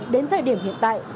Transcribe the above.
đến thời điểm hiện tại